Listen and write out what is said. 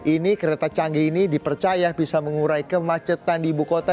ini kereta canggih ini dipercaya bisa mengurai kemacetan di ibu kota